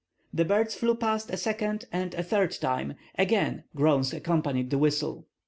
The birds flew past a second and a third time; again groans accompanied the whistle.